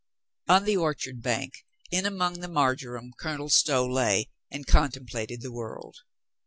On the orchard bank, in among the mar joram, Colonel Stow lay and contemplated the world.